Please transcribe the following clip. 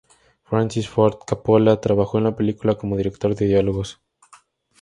Francis Ford Coppola trabajó en la película como director de diálogos.